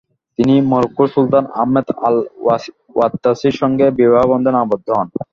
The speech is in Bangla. তিনি মরক্কোর সুলতান আহমাদ আল-ওয়াত্তাসির সঙ্গে বিবাহবন্ধনে আবদ্ধ হন।